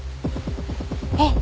あっ！